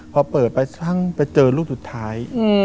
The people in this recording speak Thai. พอเปิดไปทั้งไปเจอรูปสุดท้าย